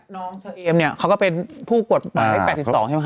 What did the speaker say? น้องเชอมเนี่ยเขาก็เป็นผู้กวดบ่าย๘๒ใช่ไหมฮะ